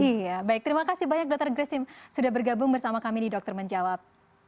iya baik terima kasih banyak dokter christine sudah bergabung bersama kami di dokter menjawab